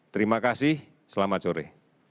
terima kasih selamat sore